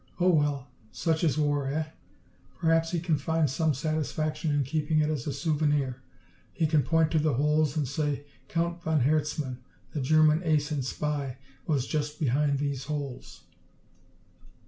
Oh, well such is war, eh? Perhaps he can find some satisfaction in keeping it as a souvenir. He can point to the holes and say, 'Count von Herzmann, the German ace and spy, was just behind these holes.'"